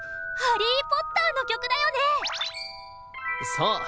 そう！